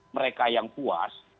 mereka yang puas